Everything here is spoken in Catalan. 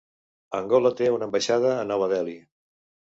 Angola té una ambaixada a Nova Delhi.